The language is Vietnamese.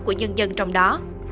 của dân dân trong đó